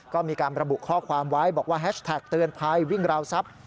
ก็มีการระบุข้อความไว้บอกว่าแฮชแท็กเตือนภัยวิ่งราวทรัพย์